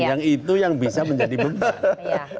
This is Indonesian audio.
yang itu yang bisa menjadi beban